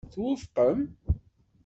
Twufqem?